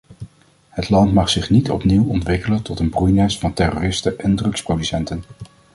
Het land mag zich niet opnieuw ontwikkelen tot een broeinest van terroristen en drugsproducenten.